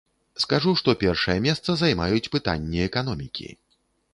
Скажу, што першае месца займаюць пытанні эканомікі.